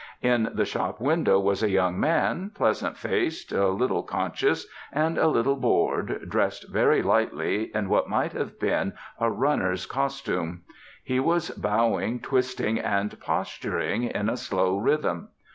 In the shop window was a young man, pleasant faced, a little conscious, and a little bored, dressed very lightly in what might have been a runner's costume. He was bowing, twisting, and posturing in a slow rhythm.